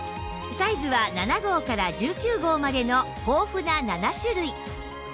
サイズは７号から１９号までの豊富な７種類